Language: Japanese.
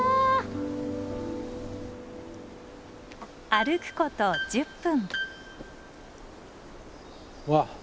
歩くこと１０分。